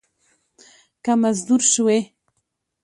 که مزدور شوې